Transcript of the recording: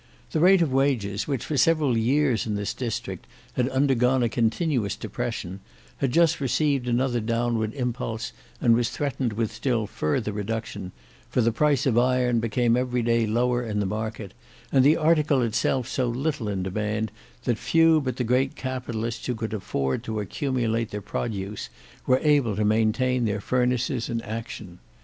The rate of wages which for several years in this district had undergone a continuous depression, had just received another downward impulse and was threatened with still further reduction, for the price of iron became every day lower in the market, and the article itself so little in demand that few but the great capitalists who could afford to accumulate their produce were able to maintain their furnaces in action.